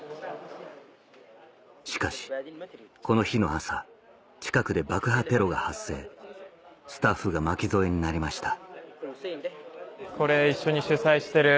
しかしこの日の朝近くで爆破テロが発生スタッフが巻き添えになりました